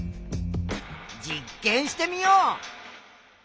実験してみよう。